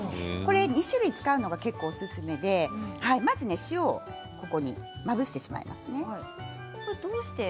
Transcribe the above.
２種類使うのは結構おすすめでまず塩をまぶしてしまいます。